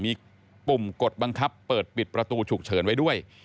มีปุ่มกดบังคับเปิดปิดประตูฉุกเฉินไว้ด้วย